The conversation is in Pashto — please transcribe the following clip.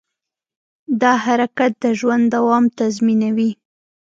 دا حرکت د ژوند دوام تضمینوي.